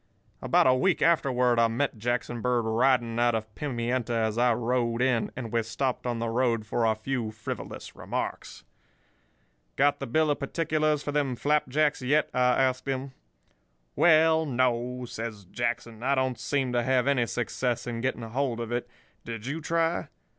"About a week afterward I met Jackson Bird riding out of Pimienta as I rode in, and we stopped on the road for a few frivolous remarks. "'Got the bill of particulars for them flapjacks yet?' I asked him. "'Well, no,' says Jackson. 'I don't seem to have any success in getting hold of it. Did you try?